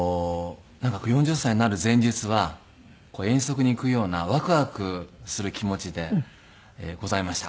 なんか４０歳になる前日は遠足に行くようなワクワクする気持ちでございました。